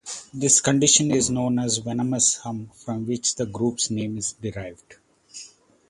This condition is known as "venous hum", from which the group's name is derived.